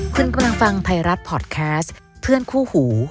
คุณกำลังฟังไทยรัฐพอร์ตแคสต์เพื่อนคู่หู